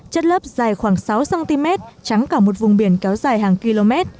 chất lớp dài khoảng sáu cm trắng cả một vùng biển kéo dài hàng km